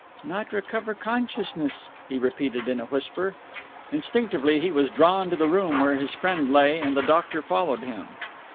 "Not recover consciousness?" he repeated in a whisper. Instinctively he was drawn to the room where his friend lay and the doctor followed him.